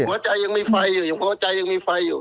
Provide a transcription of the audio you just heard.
หัวใจยังมีไฟหัวใจยังมีไฟอยู่